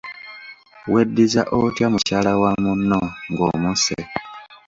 Weddiza otya mukyala wa munno ng'omusse?